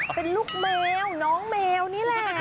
เป็นลูกแมวน้องแมวนี่แหละ